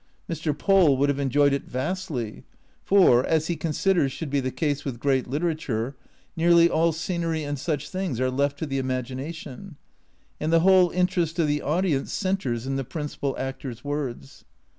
Mr. Poel would have enjoyed it vastly, for, as he considers should be the case with great literature, nearly all scenery and such things are left to the imagination, and the whole interest of the audience centres in the principal actor's words.